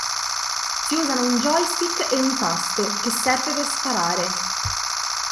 Si usano un joystick e un tasto, che serve per sparare.